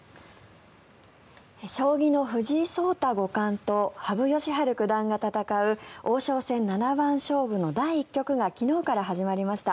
将棋の藤井聡太五冠と羽生善治九段が戦う王将戦七番勝負の第１局が昨日から始まりました。